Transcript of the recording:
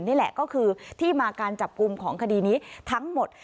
นี่แหละก็คือที่มาการจับกลุ่มของคดีนี้ทั้งหมด